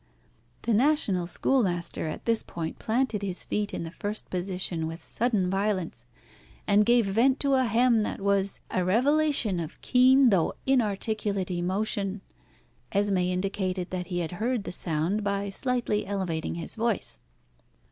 The national schoolmaster at this point planted his feet in the first position with sudden violence, and gave vent to a hem that was a revelation of keen though inarticulate emotion. Esmé indicated that he had heard the sound by slightly elevating his voice.